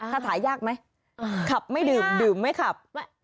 ถ้าถ่ายยากไหมขับไม่ดื่มดื่มไม่ขับ